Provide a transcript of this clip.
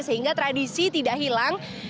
sehingga tradisi tidak hilang